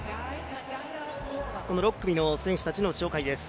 この６組の選手たちの紹介です。